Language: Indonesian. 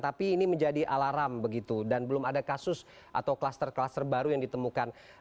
tapi ini menjadi alarm begitu dan belum ada kasus atau kluster kluster baru yang ditemukan